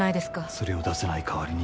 それを出さない代わりに